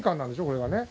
これがね。